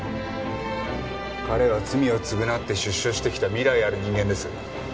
彼は罪を償って出所してきた未来ある人間です。